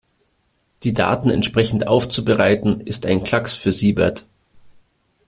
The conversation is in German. Die Daten entsprechend aufzubereiten, ist ein Klacks für Siebert.